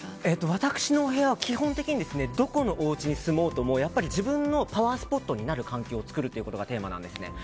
私のお部屋は基本的にどこのおうちに住もうとも自分のパワースポットになる環境を作ることがテーマなんですね。